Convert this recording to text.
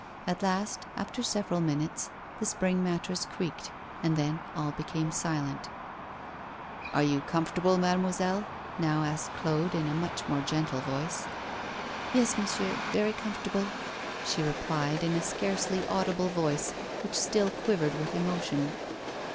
At last, after several minutes, the spring mattress creaked, and then all became still. 'Are you comfortable, mademoiselle?' now asked Claude, in a much more gentle voice. 'Yes, monsieur, very comfortable,' she replied, in a scarcely audible voice, which still quivered with emotion.